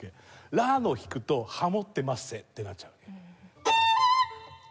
「ラ」を弾くとハモってまっせってなっちゃうわけ。